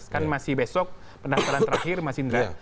kan masih besok pendaftaran terakhir mas indra